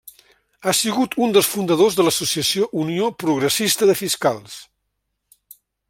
Ha sigut un dels fundadors de l'associació Unió Progressista de Fiscals.